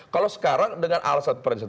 kalau sekarang dengan alasan presiden